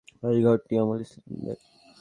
এই ঘরটি অমুসলিমের।